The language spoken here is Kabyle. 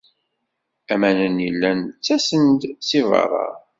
Aman-nni llan ttasen-d seg beṛṛa.